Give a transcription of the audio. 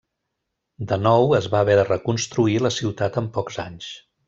De nou es va haver de reconstruir la ciutat en pocs anys.